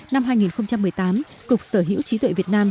năm hai nghìn một mươi tám cục sở hữu trí tuệ việt nam